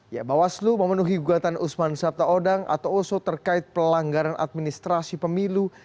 ya bawaslu memenuhi gugatan usman sabtaodang atau oso terkait pelanggaran administrasi pemilu